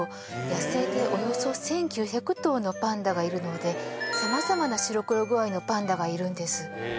野生でおよそ１９００頭のパンダがいるので様々な白黒具合のパンダがいるんですへえ